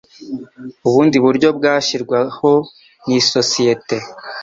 ubundi buryo bwashyirwaho n isosiyete